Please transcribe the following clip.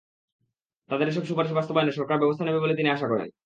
তাঁদের এসব সুপারিশ বাস্তবায়নে সরকার ব্যবস্থা নেবে বলে তিনি আশা করেন।